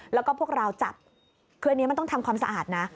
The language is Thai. แล้วก็พวกเราจับคืออันนี้มันต้องทำความสะอาดนะ